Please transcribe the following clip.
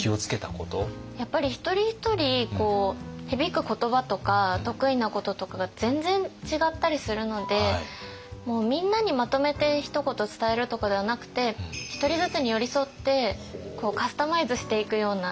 やっぱり一人一人響く言葉とか得意なこととかが全然違ったりするのでもうみんなにまとめてひと言伝えるとかではなくてひとりずつに寄り添ってカスタマイズしていくような。